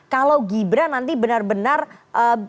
kalau gibran nanti benar benar bisa berhasil